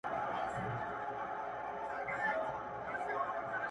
چي یې ته اوربل کي کښېږدې بیا تازه سي،